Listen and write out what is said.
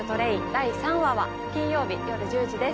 第３話は金曜日夜１０時です